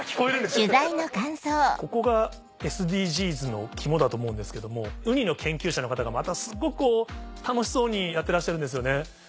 ここがＳＤＧｓの肝だと思うんですけどもウニの研究者の方がまたすごく楽しそうにやってらっしゃるんですよね。